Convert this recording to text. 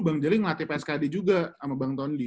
bang jeling ngelatih pskd juga sama bang tondi